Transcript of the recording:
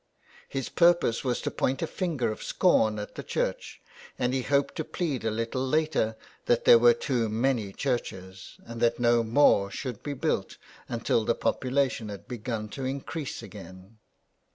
His purpose was to point a finger of scorn at the churches, and he hoped to plead a little later that there were too many churches, and that no more should be 344 THE V/ILD GOOSE. built until the population had begun to increase again.